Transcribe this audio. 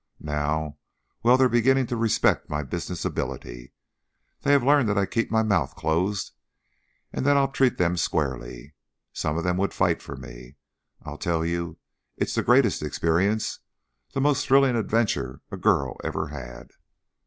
Now well, they're beginning to respect my business ability. They have learned that I keep my mouth closed and that I'll treat them squarely. Some of them would fight for me. I tell you it is the greatest experience, the most thrilling adventure, a girl ever had."